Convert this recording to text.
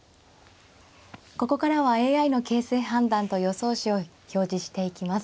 ここからはＡＩの形勢判断と予想手を表示していきます。